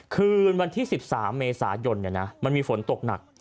คืนวันที่๑๓เมษายนมันมีฝนตกหนัก